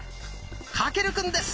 翔くんです！